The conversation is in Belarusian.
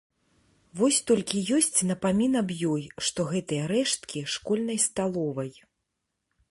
Вось толькі ёсць напамін аб ёй, што гэтыя рэшткі школьнай сталовай.